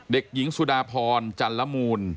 เด็กหญิงสุดาพรจันละมูล